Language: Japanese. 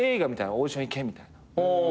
オーディション行けみたいな。